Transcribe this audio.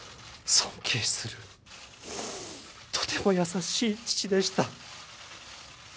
尊敬するとても優しい父でした。